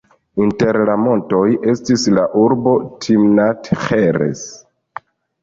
Inter la montoj estis la urbo Timnat-Ĥeres.